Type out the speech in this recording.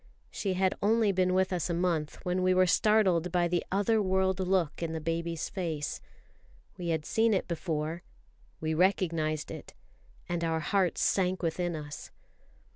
She had only been with us a month when we were startled by the other world look on the baby's face. We had seen it before; we recognised it, and our hearts sank within us.